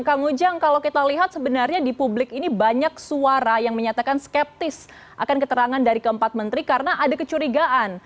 kang ujang kalau kita lihat sebenarnya di publik ini banyak suara yang menyatakan skeptis akan keterangan dari keempat menteri karena ada kecurigaan